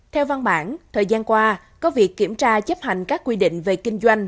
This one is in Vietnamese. theo văn bản thời gian qua có việc kiểm tra chấp hành các quy định về kinh doanh